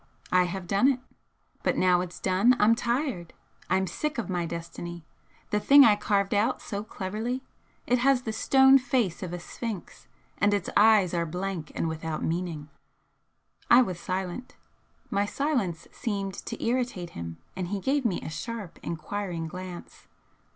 I have done it. But now it's done I'm tired! I'm sick of my destiny, the thing I carved out so cleverly, it has the stone face of a Sphinx and its eyes are blank and without meaning." I was silent. My silence seemed to irritate him, and he gave me a sharp, enquiring glance.